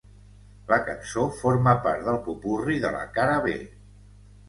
La cançó forma part del popurri de la cara B.